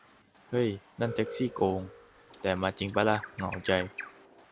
เฮ้ย นั่งแท็กซี่ โกง ! แต่มาจิงป่ะล่ะ เหงาใจ :'